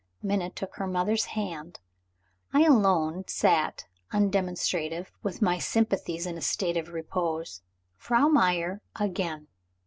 Minna took her mother's hand. I alone sat undemonstrative, with my sympathies in a state of repose. Frau Meyer again!